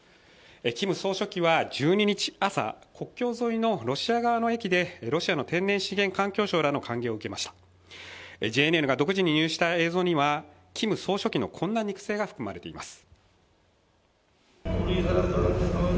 キム総書記は１２日朝国境沿いのロシア側の駅でロシアの天然資源環境相らの歓迎を受けましたＪＮＮが独自に入手した映像にはキム総書記のこんな肉声が含まれています